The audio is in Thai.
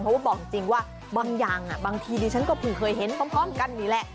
เพราะว่าบอกจริงว่าบางอย่างบางทีดิฉันก็เพิ่งเคยเห็นพร้อมกันนี่แหละ